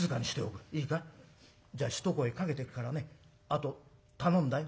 じゃあ一声かけてくからねあと頼んだよ。